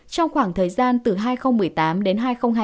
trong khoảng thời gian từ hai nghìn một mươi tám đến hai nghìn hai mươi